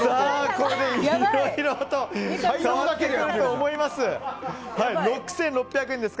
これでいろいろと変わってくると思います。